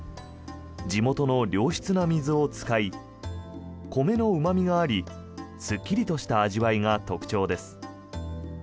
地元の良質な水を使い米のうま味がありスッキリとした味わいが特徴です。